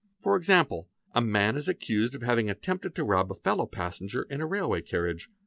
For example a man is accused of having — attempted to rob a fellow passenger in a railway carriage.